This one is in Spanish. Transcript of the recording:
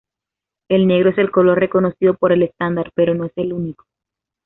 El negro es el color reconocido por el estándar, pero no es el único.